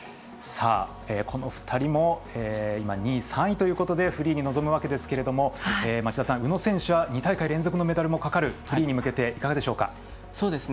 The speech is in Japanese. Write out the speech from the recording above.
この２人も２位、３位ということでフリーに臨むわけですが町田さん、宇野選手は２大会連続のメダルもかかるフリーに向けて、いかがでしょう。